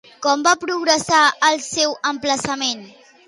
Com va progressar el seu emplaçament?